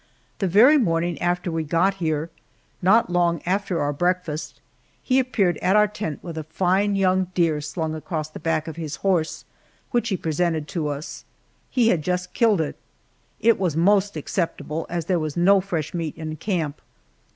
The very morning after we got here, not long after our breakfast, he appeared at our tent with a fine young deer slung across the back of his horse, which he presented to us. He had just killed it. It was most acceptable, as there was no fresh meat in camp.